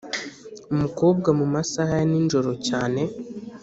umukobwa mu masaha ya ninjoro cyane